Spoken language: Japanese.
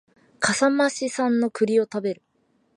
笠間市産の栗を食べる